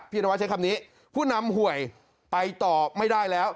นวัชใช้คำนี้ผู้นำหวยไปต่อไม่ได้แล้ว